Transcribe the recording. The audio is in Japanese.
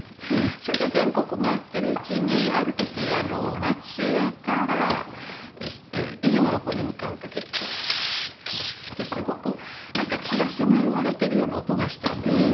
それで全国回ってるうちにある時松江から出雲の方に向かう時「キーンキーン」ってすごくなんか木が悲鳴を上げてるような音がしたんですよ。